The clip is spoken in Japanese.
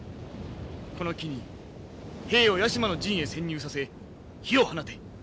この機に兵を屋島の陣へ潜入させ火を放て。